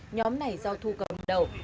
nhóm này do thu cầm đầu